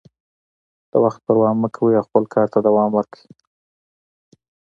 د وخت پروا مه کوئ او خپل کار ته دوام ورکړئ.